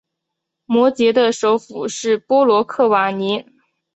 摩羯的首府是波罗克瓦尼。